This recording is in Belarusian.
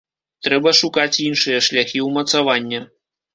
Трэба шукаць іншыя шляхі ўмацавання.